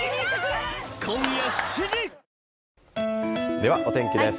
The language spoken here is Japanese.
では、お天気です。